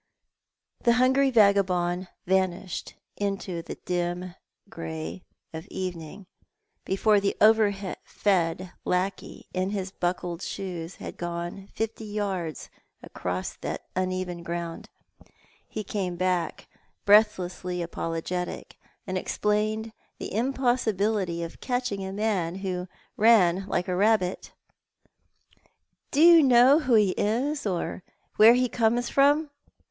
The hungry vagabond vanisliod into the dim grey of evening before the over fed lackey in his buckled shoes had gone fifty yar Is across tliat uneven ground. He came back, bieathlossly apologetic, and explained the impossibility of catching a man who ran liko a rabbit. " Do you know who he is, or where he comes from?"